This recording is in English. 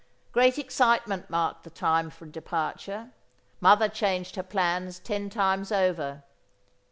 Great excitement marked the time for departure. Mother changed her plans ten times over.